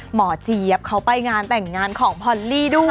เจี๊ยบเขาไปงานแต่งงานของพอลลี่ด้วย